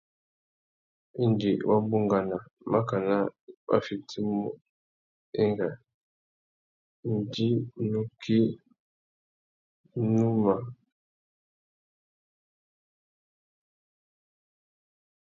Indi wa bungana makana wa fitimú enga indi nukí na tumu râ waki i bukuwana.